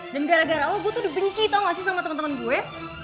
dan gara gara lo gue tuh dibenci tau gak sih sama temen temen gue